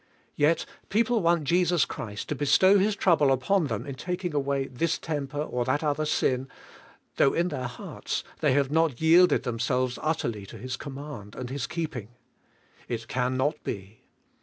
Yet people want Jesus Christ to bestow His trouble upon them in taking awa}? this temper, or that other sin, though in their hearts they have not yielded themselves utterly to His command and His keep ing. It can not be.